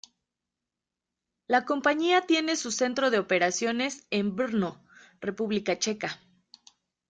La compañía tiene su centro de operaciones en Brno, República Checa.